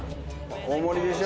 大盛りでしょ。